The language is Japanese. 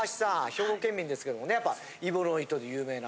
兵庫県民ですけどもねやっぱ揖保乃糸で有名な。